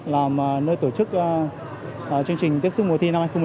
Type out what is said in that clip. làm nơi tổ chức chương trình tiếp sức mùa thi năm hai nghìn một mươi chín